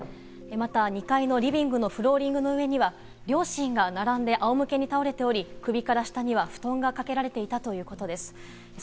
また２階のリビングのフローリングの上には両親が並んであおむけに倒れており、首から下には布団がかけられていたということです。